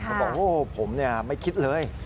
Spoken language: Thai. เขาบอกโอ้ผมไม่คิดเลย